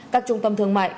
các trung tâm thương mại